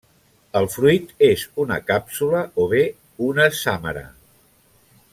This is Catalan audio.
El fruit és una càpsula o bé una sàmara.